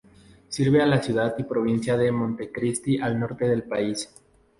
Sirve a la ciudad y provincia de Montecristi, al norte del país.